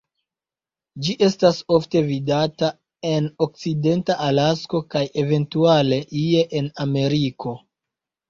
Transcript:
Ĝi estas ofte vidata en okcidenta Alasko kaj eventuale ie en Ameriko.